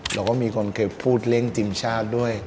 เราก็มีคนเคยพูดเล่นทีมชาติด้วย